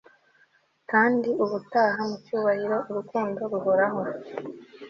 kandi ubutaha mucyubahiro urukundo ruhoraho